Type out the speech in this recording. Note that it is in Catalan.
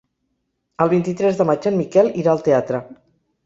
El vint-i-tres de maig en Miquel irà al teatre.